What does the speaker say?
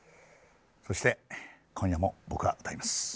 そして今夜も僕は歌います。